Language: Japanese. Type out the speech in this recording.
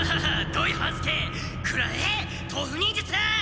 土井半助くらえ豆腐忍術！